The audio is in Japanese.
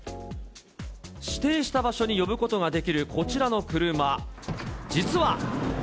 指定した場所に呼ぶことができるこちらの車、実は。